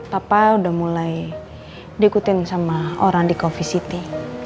papa udah mulai diikutin sama orang di coffee city